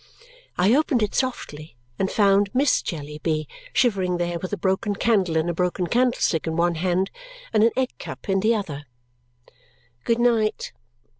I opened it softly and found Miss Jellyby shivering there with a broken candle in a broken candlestick in one hand and an egg cup in the other. "Good night!"